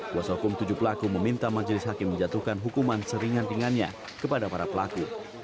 kuasa hukum tujuh pelaku meminta majelis hakim menjatuhkan hukuman seringan ringannya kepada para pelaku